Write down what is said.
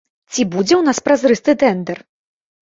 Ці будзе ў нас празрысты тэндэр?